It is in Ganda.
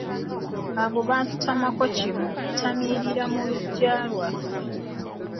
Abo baatutamako kimu kutamiirira mu luggya lwaffe.